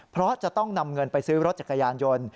เพราะจะต้องนำเงินไปซื้อรถจักรยานยนต์